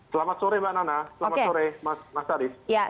selamat sore mbak nana selamat sore mas arief